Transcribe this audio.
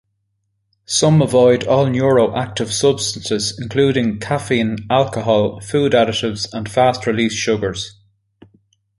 Some avoid all neuroactive substances including caffeine, alcohol, food additives and fast-release sugars.